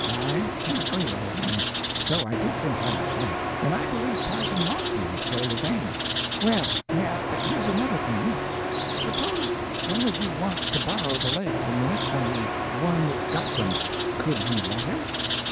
"I am agreeable, then, though I do think I was right, and I believe Parson Maltby would say the same. Well, now, there's another thing. Suppose one of you wants to borrow the legs a minute from the one that's got them, could he let him?"